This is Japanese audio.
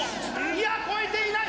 いや越えていない！